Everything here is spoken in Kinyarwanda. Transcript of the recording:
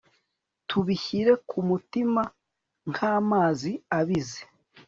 tubishyire kumutima nkamazi abize